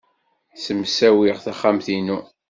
Ssemsawiɣ taxxamt-inu.